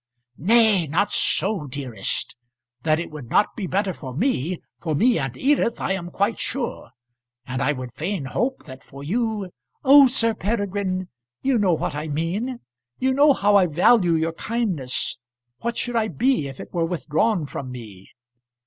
"Nay, not so, dearest. That it would not be better for me, for me and Edith I am quite sure. And I would fain hope that for you " "Oh, Sir Peregrine! you know what I mean. You know how I value your kindness. What should I be if it were withdrawn from me?"